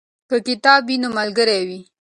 که کتاب وي نو ملګری وي.